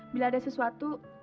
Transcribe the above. bila ada sesuatu